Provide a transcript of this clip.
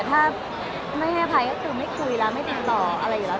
ถ้าไม่ให้อภัยก็คือไม่คุยแล้วไม่ติดต่ออะไรอยู่แล้ว